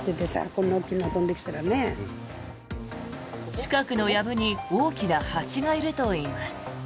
近くのやぶに大きな蜂がいるといいます。